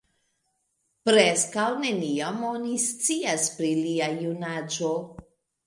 Preskaŭ nenion oni scias pri lia junaĝo.